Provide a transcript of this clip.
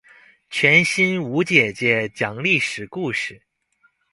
全新吳姐姐講歷史故事